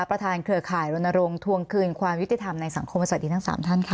ประธานเกลือข่ายโรนโรงทวงคืนความวิทยาธรรมในสังคมสวัสดีทั้ง๓ท่านค่ะ